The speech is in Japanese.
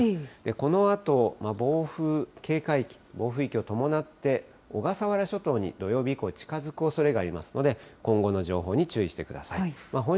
このあと、暴風警戒域、暴風域を伴って、小笠原諸島に土曜日以降、近づくおそれがありますので、今後の情報に注意してください。